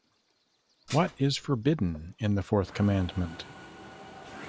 What is forbidden in the fourth commandment?